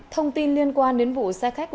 thông tin liên quan đến vụ xe khách